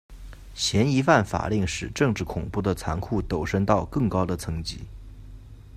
嫌疑犯法令使政治恐怖的残酷陡升到更高的层级。